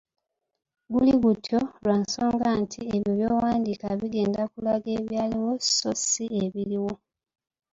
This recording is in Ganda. Guli gutyo lwa nsonga nti ebyo by’owandiiika bigenda kulaga ebyaliwo so si ebiriwo.